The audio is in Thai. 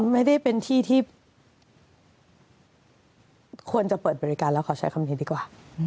ไม่ได้เป็นที่ที่ควรจะเปิดบริการแล้วเขาใช้คำนี้ดีกว่า